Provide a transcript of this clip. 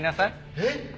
えっ！？